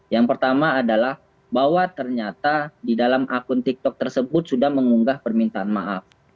yang pertama adalah bahwa ternyata di dalam akun tiktok tersebut sudah mengunggah permintaan maaf